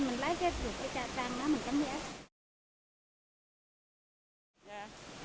mình lái cái ruột cái trang đó mình cắm cái ác